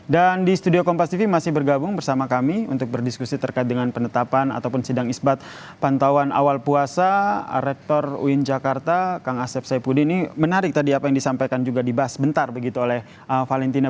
dan di studio kompas tv masih bergabung bersama kami untuk berdiskusi terkait dengan penetapan ataupun sidang isbat pantauan awal puasa rektor uin jakarta kang asef saipudi ini menarik tadi apa yang disampaikan juga dibahas bentar begitu oleh valentina